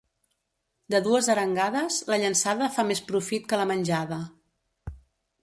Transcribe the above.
De dues arengades, la llençada fa més profit que la menjada.